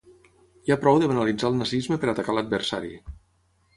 Ja prou de banalitzar el nazisme per atacar l’adversari.